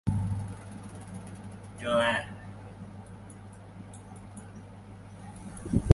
โอเค ตรงนี้สำหรับไทยก็อาจนั่งไม่ติดกันได้บ้าง